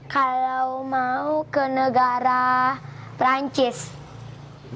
kalau mau ke negara perancis